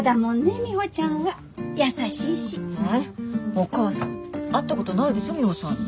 お母さん会ったことないでしょミホさんに。